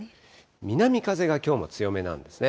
南風がきょうも強めなんですね。